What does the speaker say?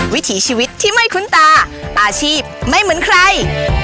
วิถีชีวิตที่ไม่คุ้นตาอาชีพไม่เหมือนใคร